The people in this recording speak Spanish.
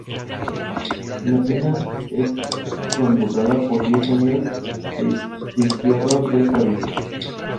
Sin embargo, la agrupación ya poseía dichos toldos al momento de recibir los dineros.